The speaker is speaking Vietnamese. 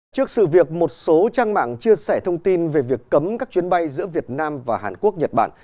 trước sự việc một số trang mạng chia sẻ thông tin về việc cấm các chuyến bay giữa việt nam và hàn quốc nhật bản